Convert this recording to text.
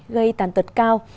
gây tàn tật cao